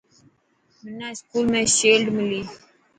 منا اسڪول ۾ شيلڊ ملي.